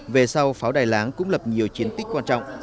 về sau pháo đài láng cũng lập nhiều chiến tích quan trọng